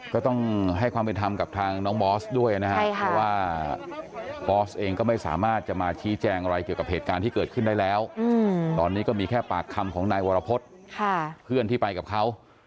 ก็ต้องให้ความเป็นธรรมกับทางน้องมอสด้วยนะครับเพราะว่าบอสเองก็ไม่สามารถจะมาชี้แจงอะไรเกี่ยวกับเหตุการณ์ที่เกิดขึ้นได้แล้วตอนนี้ก็มีแค่ปากคำของนายวรพฤษเพื่อนที่ไปกับเขา